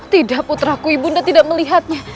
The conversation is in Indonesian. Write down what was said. tidak putraku ibu nda tidak melihatnya